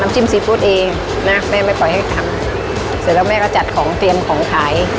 จิ้มซีฟู้ดเองนะแม่ไม่ปล่อยให้ทำเสร็จแล้วแม่ก็จัดของเตรียมของขาย